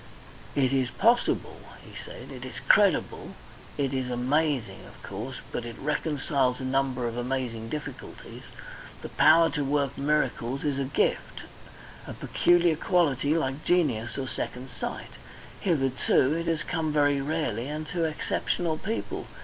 "It is possible," he said. "It is credible. It is amazing, of course, but it reconciles a number of amazing difficulties. The power to work miracles is a gift a peculiar quality like genius or second sight; hitherto it has come very rarely and to exceptional people.